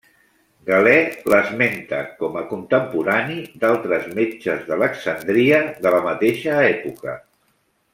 Galè l'esmenta com a contemporani d'altres metges d'Alexandria de la mateixa època.